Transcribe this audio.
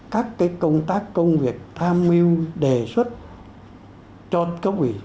các công tác công việc tham mưu đề xuất cho cấp ủy